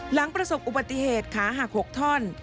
หลังประสบอุบัติเหตุขาหัก๖ท่อน